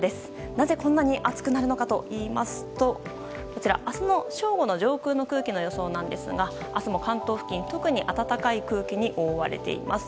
なぜ、こんなに暑くなるのかといいますと明日正午の上空の空気の予想なんですが明日も関東付近は特に暖かい空気に覆われています。